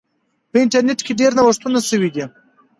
په انټرنیټ کې ډیر نوښتونه سوي دي.